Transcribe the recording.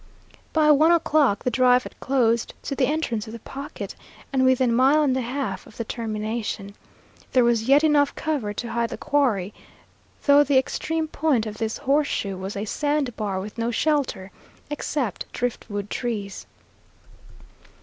By one o'clock the drive had closed to the entrance of the pocket, and within a mile and a half of the termination. There was yet enough cover to hide the quarry, though the extreme point of this horseshoe was a sand bar with no shelter except driftwood trees.